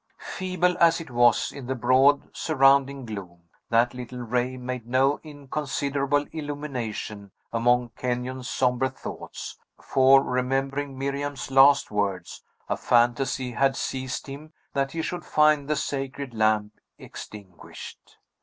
Feeble as it was, in the broad, surrounding gloom, that little ray made no inconsiderable illumination among Kenyon's sombre thoughts; for; remembering Miriam's last words, a fantasy had seized him that he should find the sacred lamp extinguished.